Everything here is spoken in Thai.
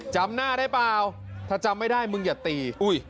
จำหน้าได้เปล่าถ้าจำไม่ได้มึงอย่าตีอุ้ย